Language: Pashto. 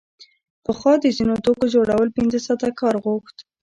پخوا د ځینو توکو جوړول پنځه ساعته کار غوښت